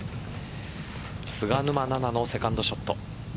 菅沼菜々のセカンドショット。